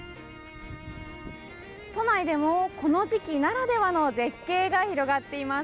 都内でもこの時期ならではの絶景が広がっています。